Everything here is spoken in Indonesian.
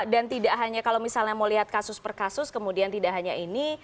dan tidak hanya kalau misalnya mau lihat kasus per kasus kemudian tidak hanya ini